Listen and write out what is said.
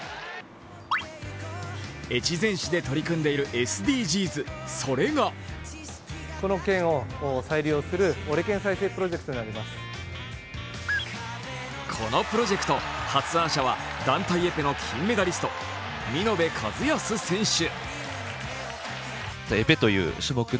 越前市で取り組んでいるＳＤＧｓ、それがこのプロジェクト、発案者は団体エペの金メダリスト、見延和靖選手。